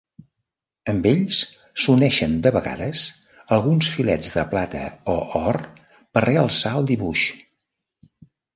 Amb ells, s'uneixen de vegades, alguns filets de plata o or per realçar el dibuix.